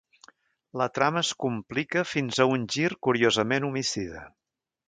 La trama es complica fins a un gir curiosament homicida.